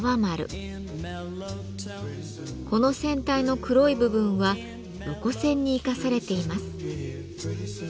この船体の黒い部分は横線に生かされています。